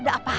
ada apaan ya